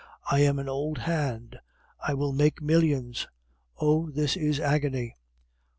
I am an old hand, I will make millions. (Oh! this is agony!)"